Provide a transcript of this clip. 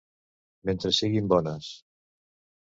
Mentre siguin bones.